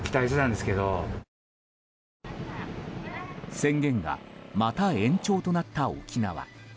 宣言がまた延長となった沖縄。